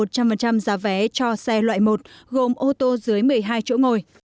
trạm thu phí bàn thạch có xe loại một gồm ô tô dưới một mươi hai chỗ ngồi